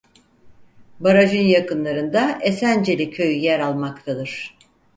Barajın yakınlarında Esenceli Köyü yer almaktadır.